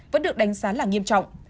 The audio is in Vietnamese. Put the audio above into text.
vẫn được đánh giá là nghiêm trọng